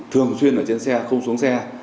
thường xuyên ở trên xe không xuống xe